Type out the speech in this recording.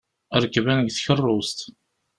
Rekben deg tkerrust.